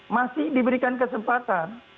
masih diberikan kesempatan